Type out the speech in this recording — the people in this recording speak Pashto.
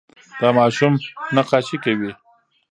دا ماشوم نقاشي کوي.